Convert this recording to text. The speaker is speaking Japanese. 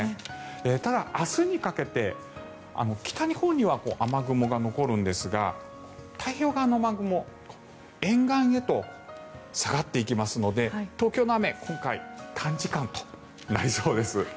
ただ、明日にかけて北日本には雨雲が残るんですが太平洋側の雨雲沿岸へと下がっていきますので東京の雨、今回短時間となりそうです。